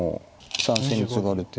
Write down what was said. ３線にツガれて。